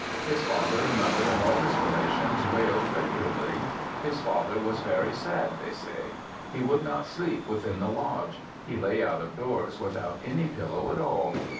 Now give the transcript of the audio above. His father and mother and all his relations wailed regularly. His father was very sad, they say. He would not sleep within the lodge; he lay out of doors, without any pillow at all.